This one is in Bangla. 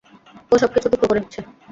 ও সবকিছু টুকরো করে দিচ্ছে।